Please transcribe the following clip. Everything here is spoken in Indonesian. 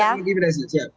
saya tidak menghidupkan